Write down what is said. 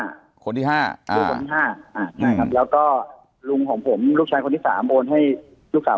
ลูกคนที่๕แล้วก็ลุงของผมลูกชายคนที่๓โอนให้ลูกสาว